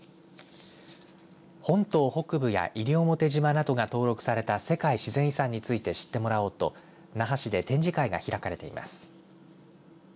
本島北部や西表島などが登録された世界自然遺産について知ってもらおうと那覇市で展示会が開かれています。